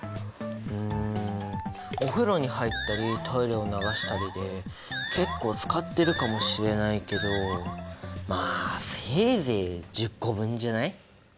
うんお風呂に入ったりトイレを流したりで結構使ってるかもしれないけどまあせいぜい１０個分じゃない？